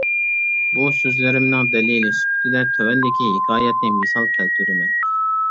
بۇ سۆزلىرىمنىڭ دەلىلى سۈپىتىدە، تۆۋەندىكى ھېكايەتنى مىسال كەلتۈرىمەن.